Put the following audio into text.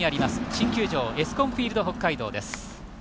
新球場エスコンフィールド北海道です。